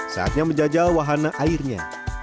saatnya menjajal wahana airnya